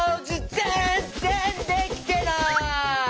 ぜんぜんできてない！